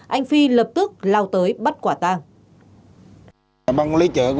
anh phi lập tức lao tới bắt quả tang